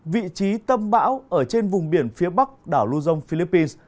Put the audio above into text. vị trí tâm bão ở trên vùng biển phía bắc đảo lưu dông philippines